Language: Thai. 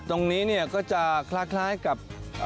ตรงนี้ก็จะคล้ายกับ